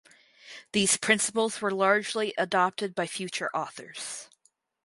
These principles were largely adopted by future authors.